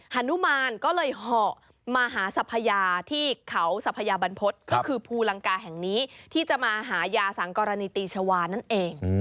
ฮนุมานก็เลยเหาะมาหาสัพยาที่เขาสัพยาบรรพฤษก็คือภูลังกาแห่งนี้ที่จะมาหายาสังกรณีตีชาวานั่นเอง